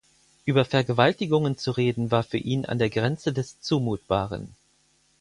Über Vergewaltigungen zu reden war für ihn an der Grenze des Zumutbaren.